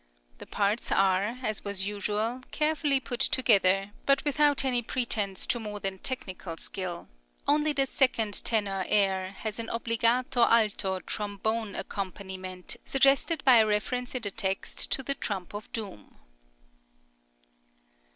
The parts are, as was usual, carefully put together, but without any pretence to more than technical skill; only the second tenor air has an obbligato alto trombone accompaniment suggested by a reference in the text to the trump of doom.